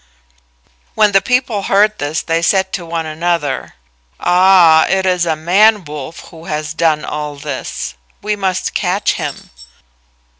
When the people heard this they said to one another, "Ah, it is a man wolf who has done all this. We must catch him."